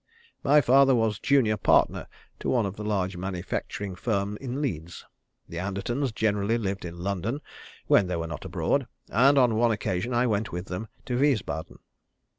My father was junior partner of one of the large manufacturing firms in Leeds. The Andertons generally lived in London, when they were not abroad; and on one occasion I went with them to Wiesbaden.